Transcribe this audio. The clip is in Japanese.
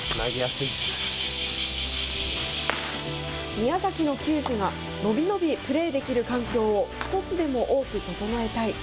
宮崎の球児が伸び伸びプレーできる環境を１つでも多く整えたい。